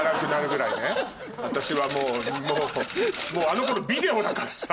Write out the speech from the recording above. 私はもうあの頃ビデオだからさ